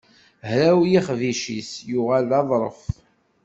Hraw yixebbic-is yuɣal d aḍṛef.